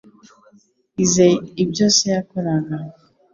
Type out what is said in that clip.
ize ibyo se yakoraga.